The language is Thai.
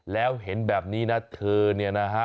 แล้วเห็นแบบนี้นะเธอเนี่ยนะฮะ